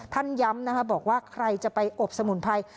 ย้ำนะคะบอกว่าใครจะไปอบสมุนไพร